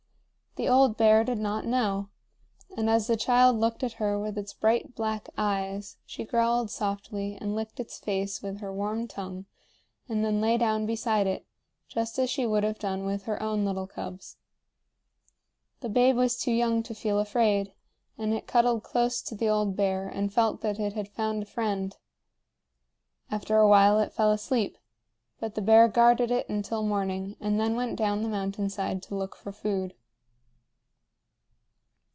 The old bear did not know; and as the child looked at her with its bright black eyes, she growled softly and licked its face with her warm tongue and then lay down beside it, just as she would have done with her own little cubs. The babe was too young to feel afraid, and it cuddled close to the old bear and felt that it had found a friend. After a while it fell asleep; but the bear guarded it until morning and then went down the mountain side to look for food.